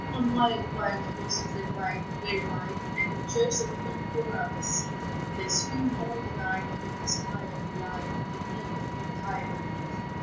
"On wild white horses they ride, they ride, And in chairs of pink coral they sit, They swim all the night, with a smile of delight, And never feel tired a bit."